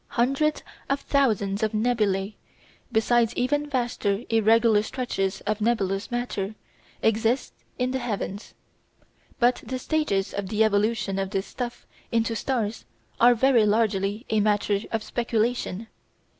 Hundreds of thousands of nebulæ, besides even vaster irregular stretches of nebulous matter, exist in the heavens. But the stages of the evolution of this stuff into stars are very largely a matter of speculation.